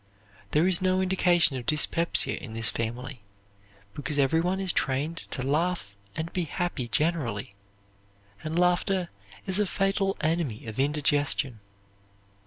There is no indication of dyspepsia in this family, because every one is trained to laugh and be happy generally, and laughter is a fatal enemy of indigestion.